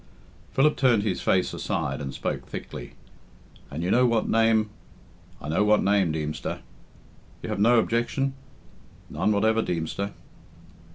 Philip turned his face aside and spoke thickly, "And you know what name " "I know what name, Deemster." "You have no objection?" "None whatever, Deemster."